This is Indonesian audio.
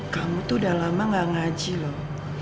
kamu tuh udah lama gak ngaji loh